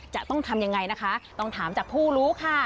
จะต้องทำยังไงนะคะต้องถามจากผู้รู้ค่ะ